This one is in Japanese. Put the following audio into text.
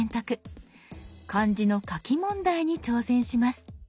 漢字の書き問題に挑戦します。